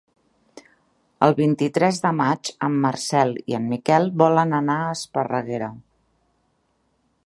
El vint-i-tres de maig en Marcel i en Miquel volen anar a Esparreguera.